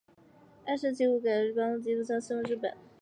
暗杀者称其改革政策帮助基督教渗入日本。